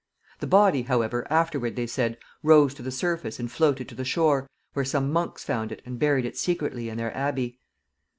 The body, however, afterward, they said, rose to the surface and floated to the shore, where some monks found it, and buried it secretly in their abbey.